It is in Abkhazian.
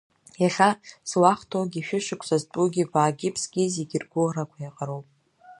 Иахьа зуахҭоугьы, шәышықәса зтәугьы, баагьы-ԥсгьы зегь ргәыӷрақәа еиҟароуп.